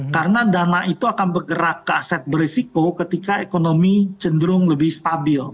karena dana itu akan bergerak ke aset berisiko ketika ekonomi cenderung lebih stabil